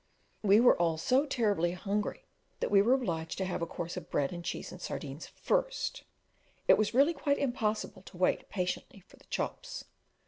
We were all so terribly hungry that we were obliged to have a course of bread and cheese and sardines first; it was really quite impossible to wait patiently for the chops.